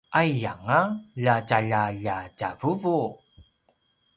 aiyanga lja tjaljak lja tjavuvu!